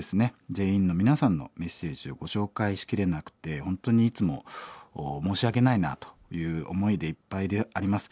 全員の皆さんのメッセージをご紹介しきれなくて本当にいつも申し訳ないなという思いでいっぱいであります。